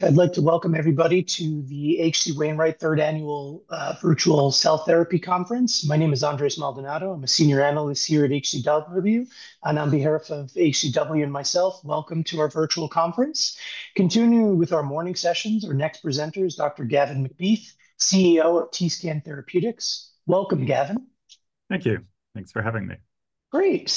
I'd like to welcome everybody to the H.C. Wainwright 3rd Annual Virtual Cell Therapy Conference. My name is Andres Maldonado. I'm a senior analyst here at HCW, and on behalf of HCW and myself, welcome to our virtual conference. Continuing with our morning sessions, our next presenter is Dr. Gavin MacBeath, CEO of TScan Therapeutics. Welcome, Gavin. Thank you. Thanks for having me. Great.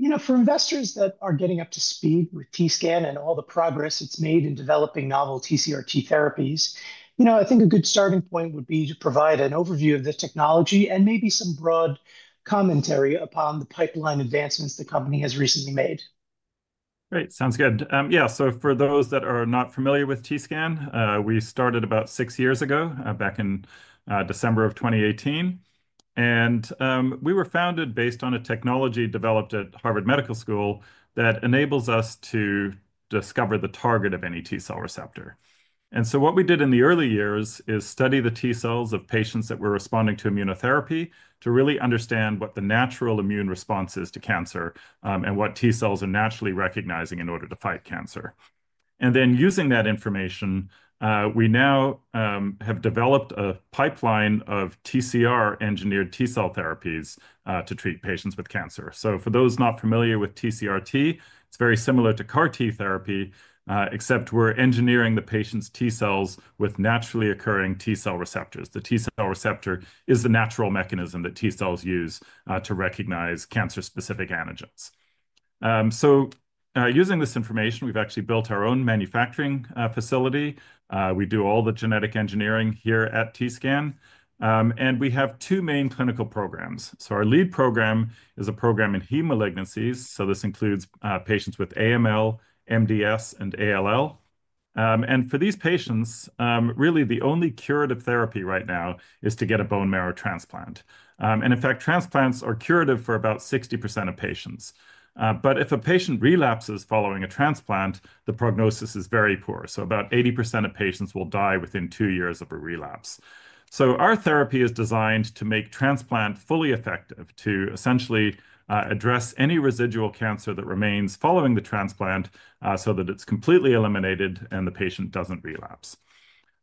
You know, for investors that are getting up to speed with TScan and all the progress it's made in developing novel TCR-T therapies, you know, I think a good starting point would be to provide an overview of the technology and maybe some broad commentary upon the pipeline advancements the company has recently made. Great. Sounds good. Yeah. For those that are not familiar with TScan, we started about six years ago, back in December of 2018. We were founded based on a technology developed at Harvard Medical School that enables us to discover the target of any T-cell receptor. What we did in the early years is study the T cells of patients that were responding to immunotherapy to really understand what the natural immune response is to cancer and what T cells are naturally recognizing in order to fight cancer. Using that information, we now have developed a pipeline of TCR-engineered T-cell therapies to treat patients with cancer. For those not familiar with TCR-T, it's very similar to CAR-T therapy, except we're engineering the patient's T cells with naturally occurring T-cell receptors. The T-cell receptor is the natural mechanism that T cells use to recognize cancer-specific antigens. Using this information, we've actually built our own manufacturing facility. We do all the genetic engineering here at TScan. We have two main clinical programs. Our lead program is a program in heme malignancies. This includes patients with AML, MDS, and ALL. For these patients, really the only curative therapy right now is to get a bone marrow transplant. In fact, transplants are curative for about 60% of patients. If a patient relapses following a transplant, the prognosis is very poor. About 80% of patients will die within two years of a relapse. Our therapy is designed to make transplant fully effective to essentially address any residual cancer that remains following the transplant so that it's completely eliminated and the patient doesn't relapse.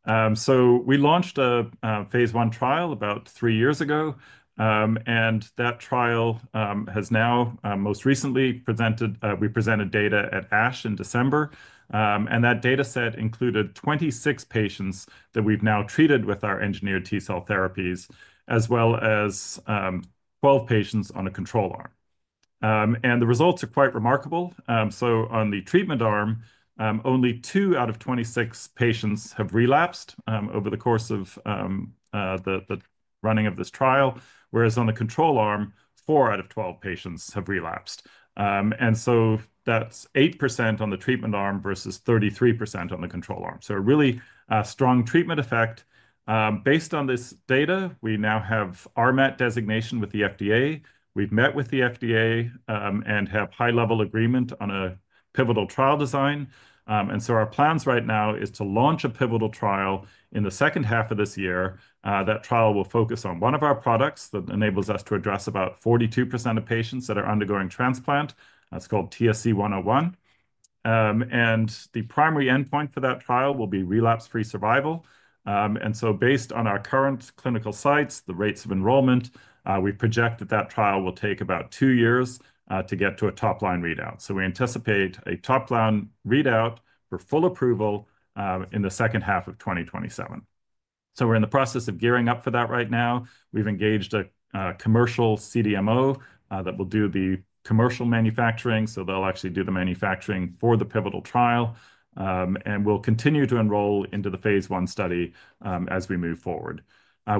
We launched a phase I trial about three years ago. That trial has now most recently presented, we presented data at ASH in December. That data set included 26 patients that we've now treated with our engineered T-cell therapies, as well as 12 patients on a control arm. The results are quite remarkable. On the treatment arm, only two out of 26 patients have relapsed over the course of the running of this trial, whereas on the control arm, four out of 12 patients have relapsed. That's 8% on the treatment arm versus 33% on the control arm. A really strong treatment effect. Based on this data, we now have RMAT designation with the FDA. We've met with the FDA and have high-level agreement on a pivotal trial design. Our plans right now are to launch a pivotal trial in the second half of this year. That trial will focus on one of our products that enables us to address about 42% of patients that are undergoing transplant. It's called TSC-101. The primary endpoint for that trial will be relapse-free survival. Based on our current clinical sites and the rates of enrollment, we project that trial will take about two years to get to a top-line readout. We anticipate a top-line readout for full approval in the second half of 2027. We are in the process of gearing up for that right now. We've engaged a commercial CDMO that will do the commercial manufacturing. They'll actually do the manufacturing for the pivotal trial. We'll continue to enroll into the phase I study as we move forward.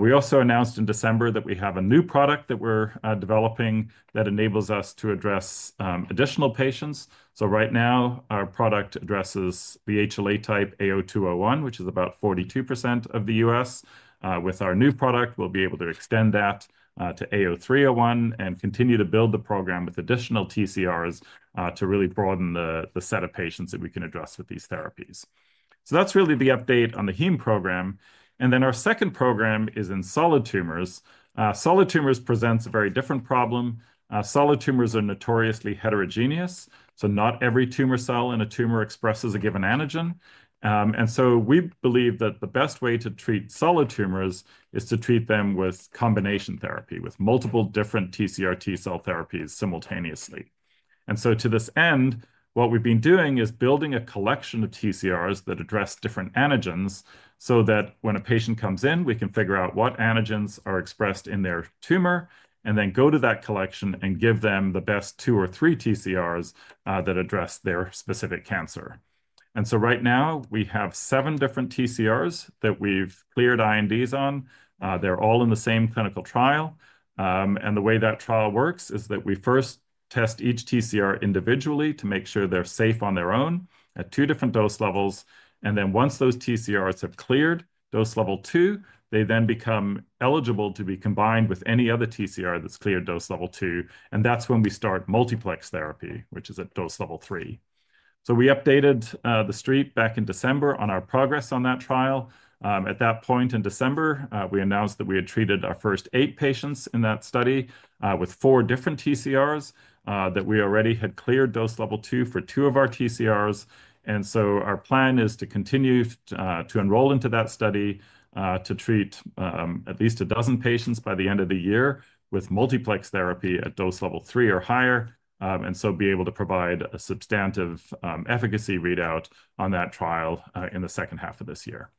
We also announced in December that we have a new product that we're developing that enables us to address additional patients. Right now, our product addresses the HLA type A*02:01, which is about 42% of the U.S. With our new product, we'll be able to extend that to A*03:01 and continue to build the program with additional TCRs to really broaden the set of patients that we can address with these therapies. That is really the update on the heme program. Our second program is in solid tumors. Solid tumors present a very different problem. Solid tumors are notoriously heterogeneous. Not every tumor cell in a tumor expresses a given antigen. We believe that the best way to treat solid tumors is to treat them with combination therapy with multiple different TCR-T cell therapies simultaneously. To this end, what we've been doing is building a collection of TCRs that address different antigens so that when a patient comes in, we can figure out what antigens are expressed in their tumor and then go to that collection and give them the best two or three TCRs that address their specific cancer. Right now, we have seven different TCRs that we've cleared INDs on. They're all in the same clinical trial. The way that trial works is that we first test each TCR individually to make sure they're safe on their own at two different dose levels. Once those TCRs have cleared dose level two, they then become eligible to be combined with any other TCR that's cleared dose level two. That's when we start multiplex therapy, which is at dose level three. We updated the street back in December on our progress on that trial. At that point in December, we announced that we had treated our first eight patients in that study with four different TCRs, that we already had cleared dose level two for two of our TCRs. Our plan is to continue to enroll into that study to treat at least a dozen patients by the end of the year with multiplex therapy at dose level three or higher, and be able to provide a substantive efficacy readout on that trial in the second half of this year.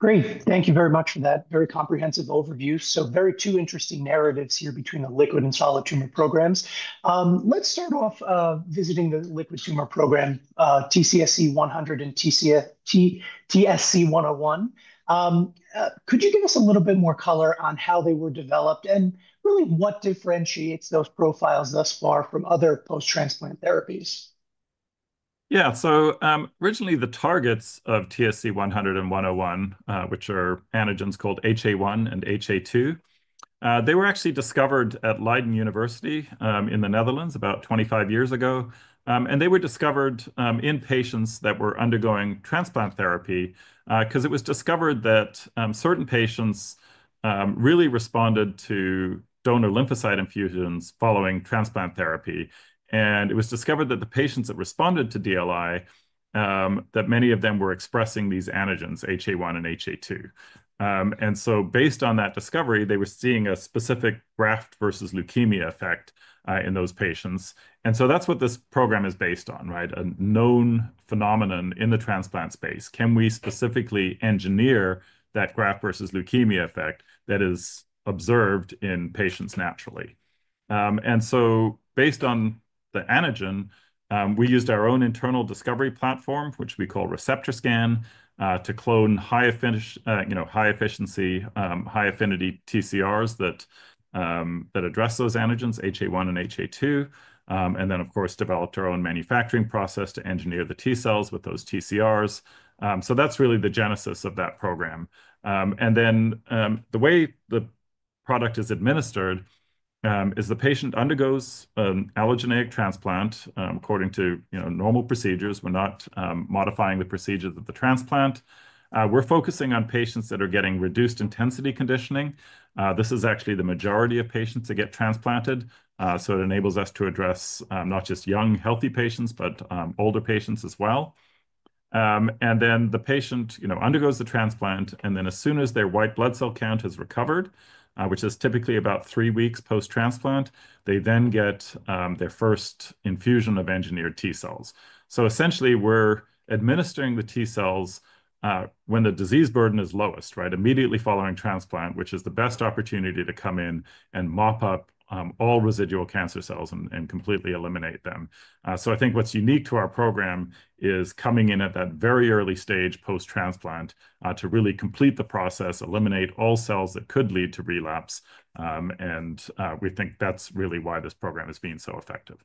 Great. Thank you very much for that very comprehensive overview. Two very interesting narratives here between the liquid and solid tumor programs. Let's start off visiting the liquid tumor program, TSC-100 and TSC-101. Could you give us a little bit more color on how they were developed and really what differentiates those profiles thus far from other post-transplant therapies? Yeah. Originally, the targets of TSC-100 and TSC-101, which are antigens called HA1 and HA2, were actually discovered at Leiden University in the Netherlands about 25 years ago. They were discovered in patients that were undergoing transplant therapy because it was discovered that certain patients really responded to donor lymphocyte infusions following transplant therapy. It was discovered that the patients that responded to DLI, that many of them were expressing these antigens, HA1 and HA2. Based on that discovery, they were seeing a specific graft-versus-leukemia effect in those patients. That is what this program is based on, right? A known phenomenon in the transplant space. Can we specifically engineer that graft-versus-leukemia effect that is observed in patients naturally? Based on the antigen, we used our own internal discovery platform, which we call ReceptorScan, to clone high-efficiency, high-affinity TCRs that address those antigens, HA1 and HA2, and then, of course, developed our own manufacturing process to engineer the T cells with those TCRs. That is really the genesis of that program. The way the product is administered is the patient undergoes an allogeneic transplant according to normal procedures. We are not modifying the procedures of the transplant. We are focusing on patients that are getting reduced-intensity conditioning. This is actually the majority of patients that get transplanted. It enables us to address not just young healthy patients, but older patients as well. The patient undergoes the transplant, and then as soon as their white blood cell count has recovered, which is typically about three weeks post-transplant, they then get their first infusion of engineered T cells. Essentially, we're administering the T cells when the disease burden is lowest, right? Immediately following transplant, which is the best opportunity to come in and mop up all residual cancer cells and completely eliminate them. I think what's unique to our program is coming in at that very early stage post-transplant to really complete the process, eliminate all cells that could lead to relapse. We think that's really why this program has been so effective.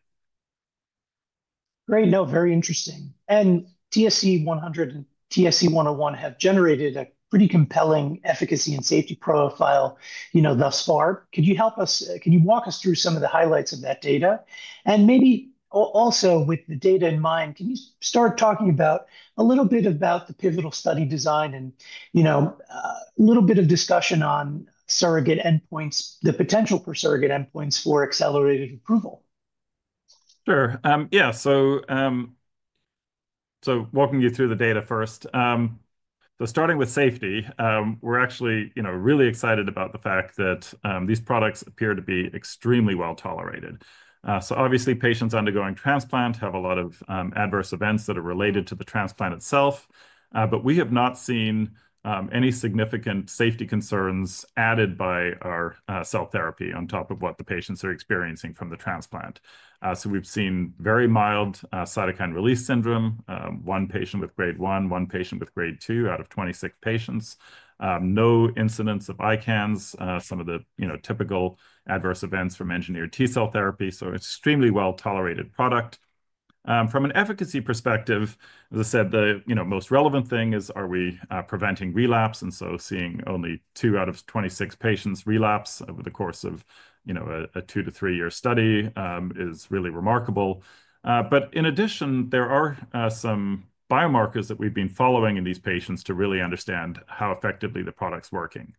Great. No, very interesting. TSC-100 and TSC-101 have generated a pretty compelling efficacy and safety profile thus far. Could you help us? Can you walk us through some of the highlights of that data? Maybe also with the data in mind, can you start talking a little bit about the pivotal study design and a little bit of discussion on surrogate endpoints, the potential for surrogate endpoints for accelerated approval? Sure. Yeah. Walking you through the data first. Starting with safety, we're actually really excited about the fact that these products appear to be extremely well-tolerated. Obviously, patients undergoing transplant have a lot of adverse events that are related to the transplant itself. We have not seen any significant safety concerns added by our cell therapy on top of what the patients are experiencing from the transplant. We've seen very mild cytokine release syndrome, one patient with grade 1, one patient with grade 2 out of 26 patients. No incidents of ICANS, some of the typical adverse events from engineered T-cell therapy. An extremely well-tolerated product. From an efficacy perspective, as I said, the most relevant thing is, are we preventing relapse? Seeing only two out of 26 patients relapse over the course of a two- to three-year study is really remarkable. In addition, there are some biomarkers that we've been following in these patients to really understand how effectively the product's working.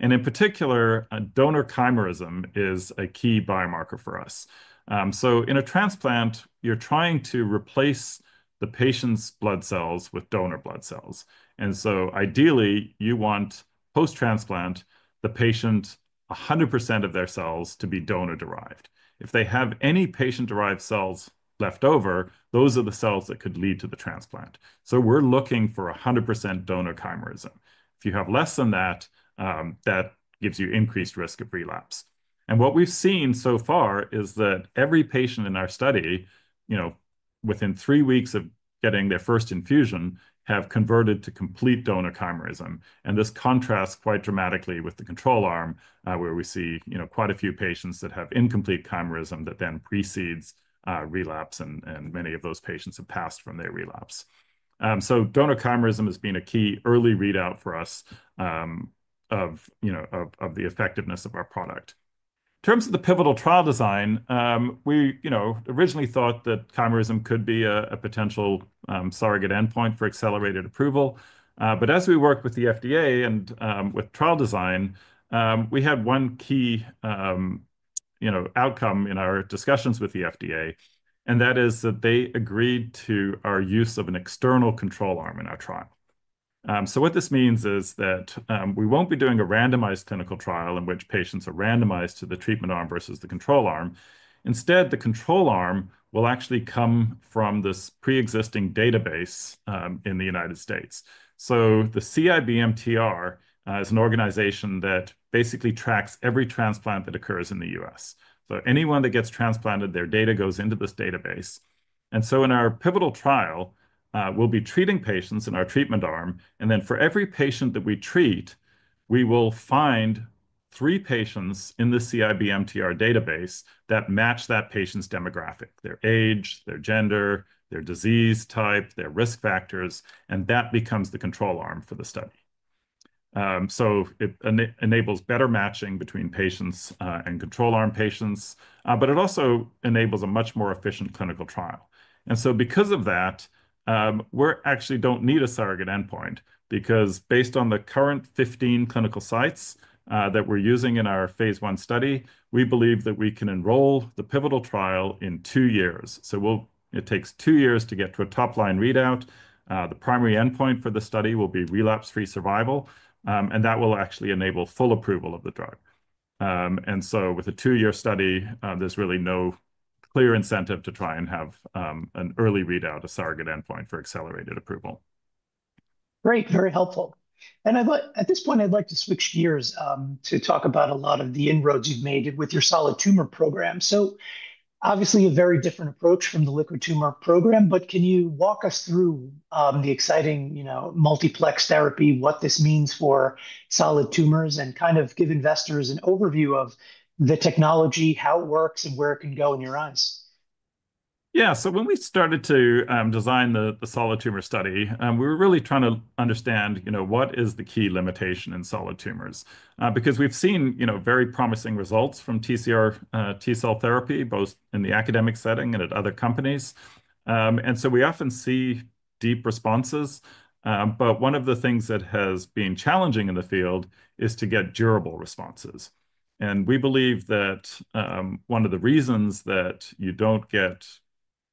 In particular, donor chimerism is a key biomarker for us. In a transplant, you're trying to replace the patient's blood cells with donor blood cells. Ideally, you want post-transplant, the patient, 100% of their cells to be donor-derived. If they have any patient-derived cells left over, those are the cells that could lead to the transplant. We're looking for 100% donor chimerism. If you have less than that, that gives you increased risk of relapse. What we've seen so far is that every patient in our study, within three weeks of getting their first infusion, have converted to complete donor chimerism. This contrasts quite dramatically with the control arm, where we see quite a few patients that have incomplete chimerism that then precedes relapse, and many of those patients have passed from their relapse. Donor chimerism has been a key early readout for us of the effectiveness of our product. In terms of the pivotal trial design, we originally thought that chimerism could be a potential surrogate endpoint for accelerated approval. As we worked with the FDA and with trial design, we had one key outcome in our discussions with the FDA, and that is that they agreed to our use of an external control arm in our trial. What this means is that we won't be doing a randomized clinical trial in which patients are randomized to the treatment arm versus the control arm. Instead, the control arm will actually come from this pre-existing database in the United States. The CIBMTR is an organization that basically tracks every transplant that occurs in the U.S. Anyone that gets transplanted, their data goes into this database. In our pivotal trial, we'll be treating patients in our treatment arm. For every patient that we treat, we will find three patients in the CIBMTR database that match that patient's demographic, their age, their gender, their disease type, their risk factors, and that becomes the control arm for the study. It enables better matching between patients and control arm patients, but it also enables a much more efficient clinical trial. Because of that, we actually don't need a surrogate endpoint because based on the current 15 clinical sites that we're using in our phase I study, we believe that we can enroll the pivotal trial in two years. It takes two years to get to a top-line readout. The primary endpoint for the study will be relapse-free survival, and that will actually enable full approval of the drug. With a two-year study, there's really no clear incentive to try and have an early readout, a surrogate endpoint for accelerated approval. Great. Very helpful. At this point, I'd like to switch gears to talk about a lot of the inroads you've made with your solid tumor program. Obviously, a very different approach from the liquid tumor program, but can you walk us through the exciting multiplex therapy, what this means for solid tumors, and kind of give investors an overview of the technology, how it works, and where it can go in your eyes? Yeah. When we started to design the solid tumor study, we were really trying to understand what is the key limitation in solid tumors because we've seen very promising results from TCR-T cell therapy, both in the academic setting and at other companies. We often see deep responses. One of the things that has been challenging in the field is to get durable responses. We believe that one of the reasons that you don't get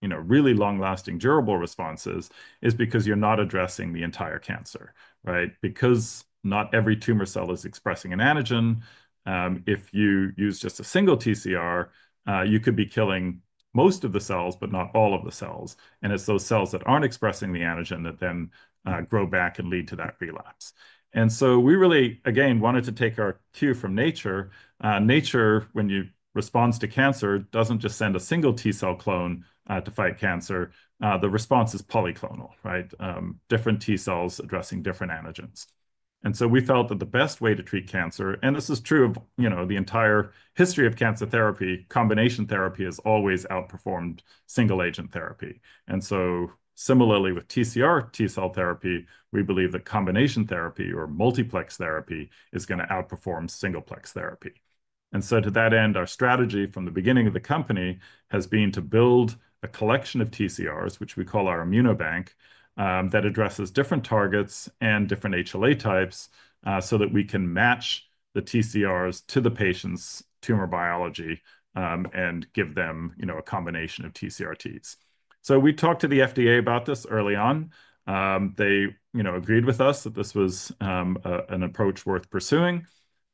really long-lasting durable responses is because you're not addressing the entire cancer, right? Not every tumor cell is expressing an antigen. If you use just a single TCR, you could be killing most of the cells, but not all of the cells. It's those cells that aren't expressing the antigen that then grow back and lead to that relapse. We really, again, wanted to take our cue from nature. Nature, when you respond to cancer, does not just send a single T cell clone to fight cancer. The response is polyclonal, right? Different T cells addressing different antigens. We felt that the best way to treat cancer, and this is true of the entire history of cancer therapy, combination therapy has always outperformed single-agent therapy. Similarly, with TCR-T cell therapy, we believe that combination therapy or multiplex therapy is going to outperform single-plex therapy. To that end, our strategy from the beginning of the company has been to build a collection of TCRs, which we call our ImmunoBank, that addresses different targets and different HLA types so that we can match the TCRs to the patient's tumor biology and give them a combination of TCR-Ts. We talked to the FDA about this early on. They agreed with us that this was an approach worth pursuing.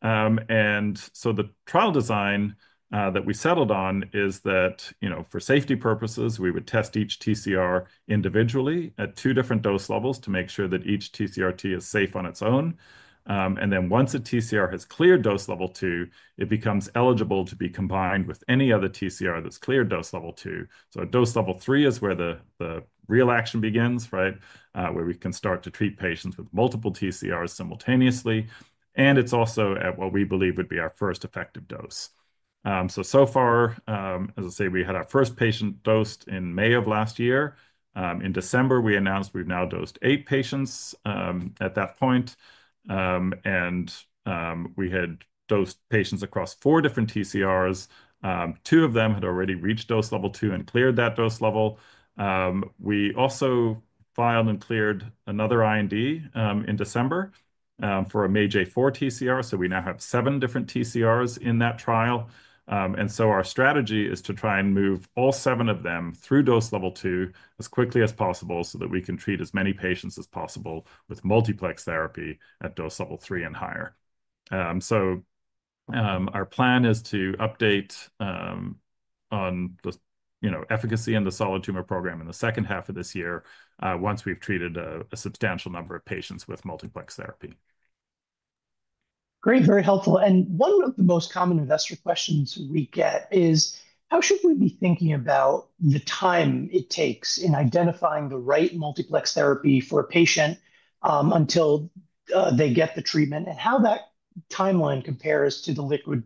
The trial design that we settled on is that for safety purposes, we would test each TCR individually at two different dose levels to make sure that each TCR-T is safe on its own. Once a TCR has cleared dose level two, it becomes eligible to be combined with any other TCR that's cleared dose level two. Dose level three is where the real action begins, right? We can start to treat patients with multiple TCRs simultaneously. It's also at what we believe would be our first effective dose. So far, as I say, we had our first patient dosed in May of last year. In December, we announced we've now dosed eight patients at that point. We had dosed patients across four different TCRs. Two of them had already reached dose level two and cleared that dose level. We also filed and cleared another IND in December for a MAGE-A4 TCR. We now have seven different TCRs in that trial. Our strategy is to try and move all seven of them through dose level two as quickly as possible so that we can treat as many patients as possible with multiplex therapy at dose level three and higher. Our plan is to update on the efficacy and the solid tumor program in the second half of this year once we've treated a substantial number of patients with multiplex therapy. Great. Very helpful. One of the most common investor questions we get is, how should we be thinking about the time it takes in identifying the right multiplex therapy for a patient until they get the treatment and how that timeline compares to the liquid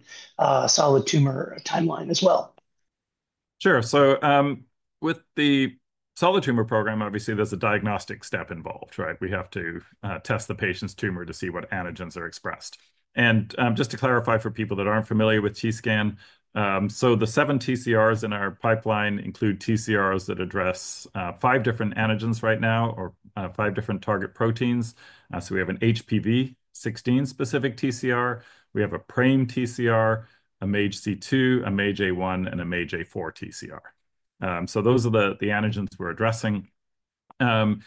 solid tumor timeline as well? Sure. With the solid tumor program, obviously, there's a diagnostic step involved, right? We have to test the patient's tumor to see what antigens are expressed. Just to clarify for people that aren't familiar with TScan, the seven TCRs in our pipeline include TCRs that address five different antigens right now or five different target proteins. We have an HPV16-specific TCR. We have a PRAME TCR, a MAGEC2, a MAGE-A1, and a MAGE-A4 TCR. Those are the antigens we're addressing. In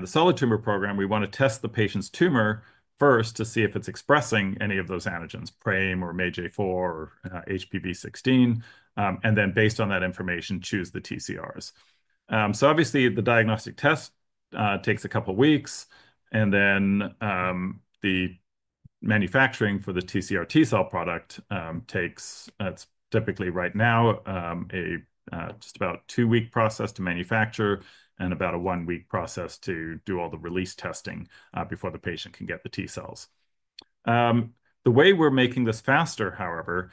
the solid tumor program, we want to test the patient's tumor first to see if it's expressing any of those antigens, PRAME or MAGE-A4 or HPV16, and then based on that information, choose the TCRs. Obviously, the diagnostic test takes a couple of weeks. The manufacturing for the TCR-T cell product takes, it's typically right now, just about a two-week process to manufacture and about a one-week process to do all the release testing before the patient can get the T cells. The way we're making this faster, however,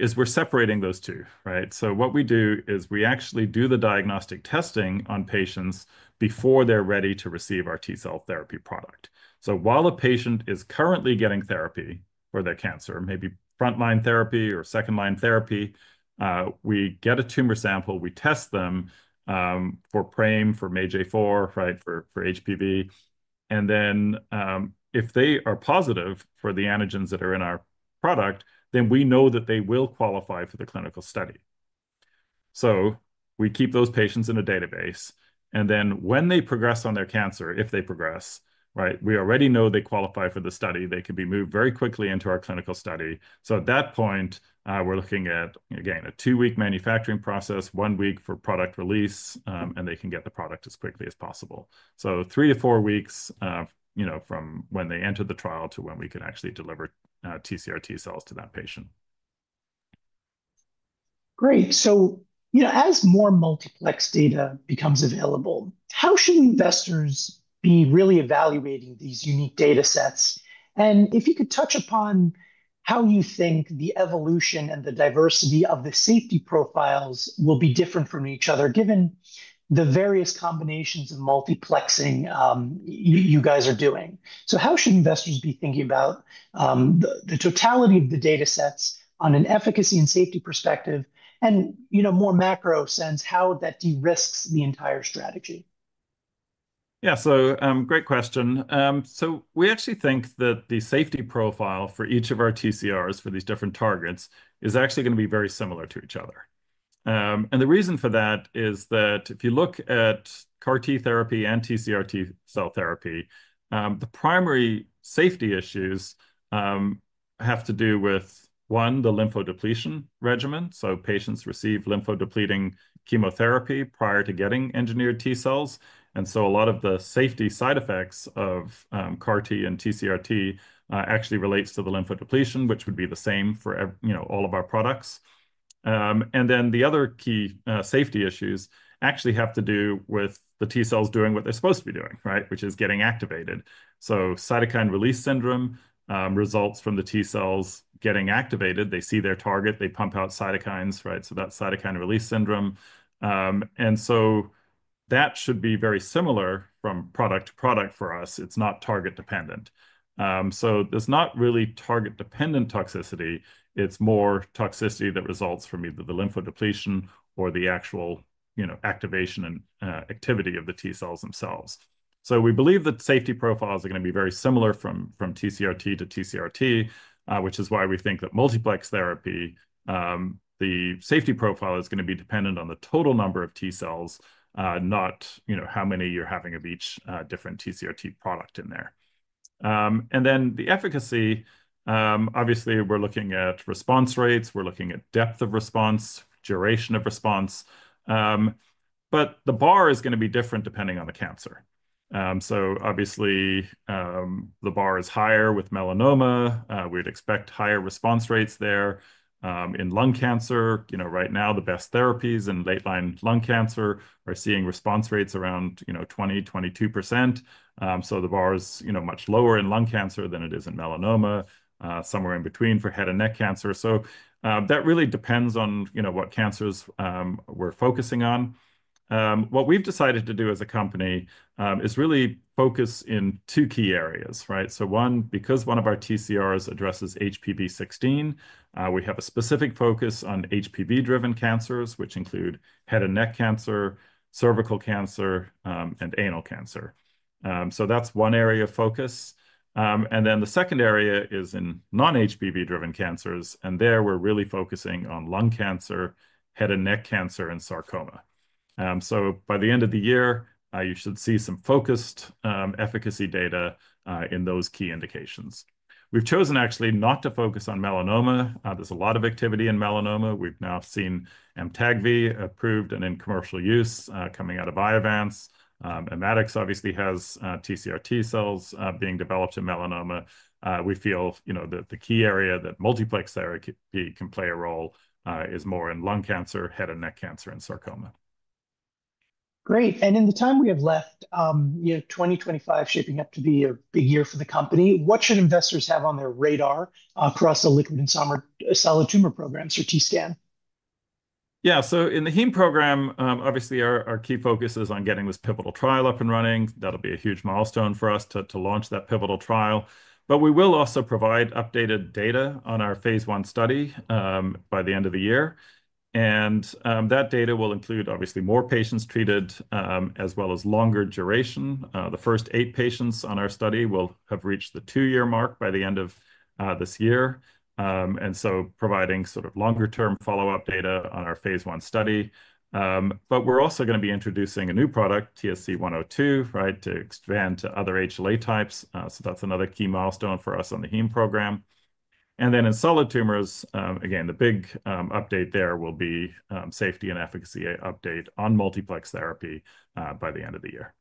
is we're separating those two, right? What we do is we actually do the diagnostic testing on patients before they're ready to receive our T-cell therapy product. While a patient is currently getting therapy for their cancer, maybe front-line therapy or second-line therapy, we get a tumor sample, we test them for PRAME, for MAGE-A4, right, for HPV16. If they are positive for the antigens that are in our product, then we know that they will qualify for the clinical study. We keep those patients in a database. When they progress on their cancer, if they progress, right, we already know they qualify for the study. They can be moved very quickly into our clinical study. At that point, we're looking at, again, a two-week manufacturing process, one week for product release, and they can get the product as quickly as possible. Three to four weeks from when they enter the trial to when we can actually deliver TCR-T cells to that patient. Great. As more multiplex data becomes available, how should investors be really evaluating these unique data sets? If you could touch upon how you think the evolution and the diversity of the safety profiles will be different from each other given the various combinations of multiplexing you guys are doing. How should investors be thinking about the totality of the data sets on an efficacy and safety perspective and in a more macro sense, how that de-risks the entire strategy? Yeah. Great question. We actually think that the safety profile for each of our TCRs for these different targets is actually going to be very similar to each other. The reason for that is that if you look at CAR-T therapy and TCR-T cell therapy, the primary safety issues have to do with, one, the lymphodepletion regimen. Patients receive lymphodepleting chemotherapy prior to getting engineered T cells. A lot of the safety side effects of CAR-T and TCR-T actually relate to the lymphodepletion, which would be the same for all of our products. The other key safety issues actually have to do with the T cells doing what they're supposed to be doing, right, which is getting activated. Cytokine release syndrome results from the T cells getting activated. They see their target. They pump out cytokines, right? That's cytokine release syndrome. That should be very similar from product to product for us. It's not target-dependent. There's not really target-dependent toxicity. It's more toxicity that results from either the lymphodepletion or the actual activation and activity of the T cells themselves. We believe that safety profiles are going to be very similar from TCR-T to TCR-T, which is why we think that multiplex therapy, the safety profile is going to be dependent on the total number of T cells, not how many you're having of each different TCR-T product in there. The efficacy, obviously, we're looking at response rates. We're looking at depth of response, duration of response. The bar is going to be different depending on the cancer. Obviously, the bar is higher with melanoma. We'd expect higher response rates there. In lung cancer, right now, the best therapies in late-line lung cancer are seeing response rates around 20%-22%. The bar is much lower in lung cancer than it is in melanoma, somewhere in between for head and neck cancer. That really depends on what cancers we're focusing on. What we've decided to do as a company is really focus in two key areas, right? One, because one of our TCRs addresses HPV16, we have a specific focus on HPV-driven cancers, which include head and neck cancer, cervical cancer, and anal cancer. That's one area of focus. The second area is in non-HPV-driven cancers. There, we're really focusing on lung cancer, head and neck cancer, and sarcoma. By the end of the year, you should see some focused efficacy data in those key indications. We've chosen actually not to focus on melanoma. There's a lot of activity in melanoma. We've now seen AMTAGVI approved and in commercial use coming out of IOVANCE. Immatics obviously has TCR-T cells being developed in melanoma. We feel that the key area that multiplex therapy can play a role is more in lung cancer, head and neck cancer, and sarcoma. Great. In the time we have left, 2025 is shaping up to be a big year for the company. What should investors have on their radar across the liquid and solid tumor programs or TScan? Yeah. In the heme program, obviously, our key focus is on getting this pivotal trial up and running. That will be a huge milestone for us to launch that pivotal trial. We will also provide updated data on our phase I study by the end of the year. That data will include, obviously, more patients treated as well as longer duration. The first eight patients on our study will have reached the two-year mark by the end of this year. Providing sort of longer-term follow-up data on our phase I study. We are also going to be introducing a new product, TSC-102, right, to expand to other HLA types. That is another key milestone for us on the heme program. In solid tumors, again, the big update there will be safety and efficacy update on multiplex therapy by the end of the year.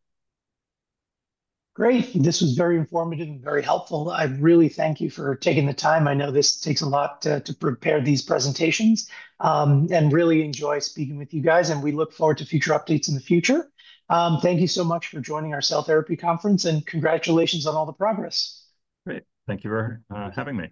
Great. This was very informative and very helpful. I really thank you for taking the time. I know this takes a lot to prepare these presentations and really enjoy speaking with you guys. We look forward to future updates in the future. Thank you so much for joining our Cell Therapy Conference. Congratulations on all the progress. Great. Thank you for having me.